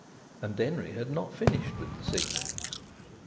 And Denry had not finished with the Signal.